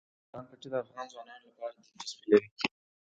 د بولان پټي د افغان ځوانانو لپاره دلچسپي لري.